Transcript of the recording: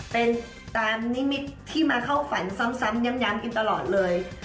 เป็นตามนิมิตรที่มาเข้าฝันซ้ำย้ำกันตลอดเลย